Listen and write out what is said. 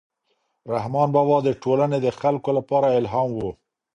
رحمان بابا د ټولنې د خلکو لپاره الهام و.